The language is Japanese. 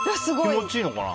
気持ちいいのかな。